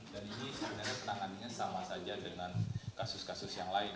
dan ini sebenarnya penangannya sama saja dengan kasus kasus yang lain